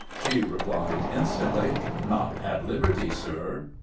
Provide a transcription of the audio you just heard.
She replied instantly :" Not at liberty, sir."